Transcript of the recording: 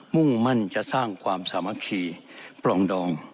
มุ่งมั่นจะสร้างความสามัคคีปลองดอง